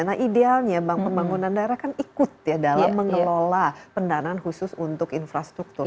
nah idealnya bank pembangunan daerah kan ikut ya dalam mengelola pendanaan khusus untuk infrastruktur